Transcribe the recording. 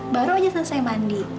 baru aja selesai mandi